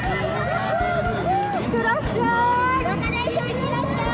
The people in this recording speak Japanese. ・いってらっしゃい！